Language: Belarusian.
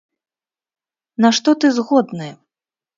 На што ты згодны?